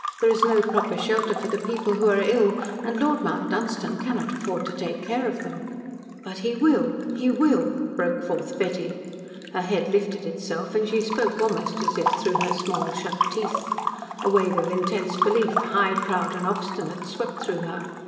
There is no proper shelter for the people who are ill, and Lord Mount Dunstan cannot afford to take care of them." "But he WILL he WILL," broke forth Betty. Her head lifted itself and she spoke almost as if through her small, shut teeth. A wave of intense belief high, proud, and obstinate, swept through her.